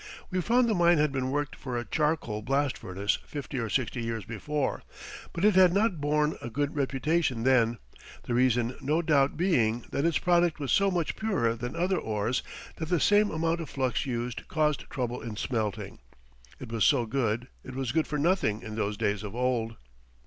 We found the mine had been worked for a charcoal blast furnace fifty or sixty years before, but it had not borne a good reputation then, the reason no doubt being that its product was so much purer than other ores that the same amount of flux used caused trouble in smelting. It was so good it was good for nothing in those days of old.